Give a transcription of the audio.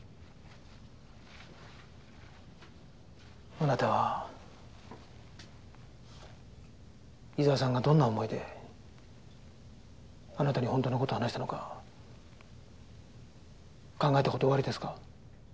あなたは伊沢さんがどんな思いであなたに本当の事を話したのか考えた事はおありですか？